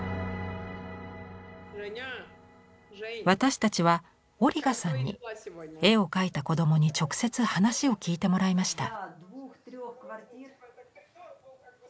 私たちはオリガさんに絵を描いた子どもに直接話を聞いてもらいました。